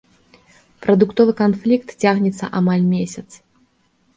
Прадуктовы канфлікт цягнецца амаль месяц.